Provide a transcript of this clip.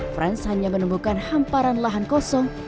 franz hanya menemukan hamparan lahan kosong